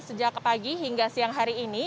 sejak pagi hingga siang hari ini